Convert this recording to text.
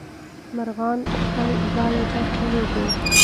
مرغان خپل ځالې ته ستنېږي.